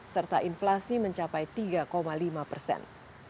serta inflasi mencapai tiga lima persen